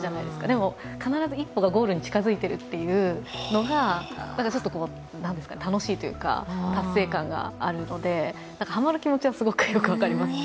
でも必ず一歩がゴールに近づいているというのがちょっと楽しいというか達成感があるのでハマる気持ちはすごくよく分かります。